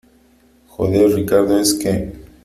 joder , Ricardo , es que ...